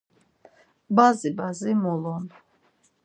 Bazi bazi mulun.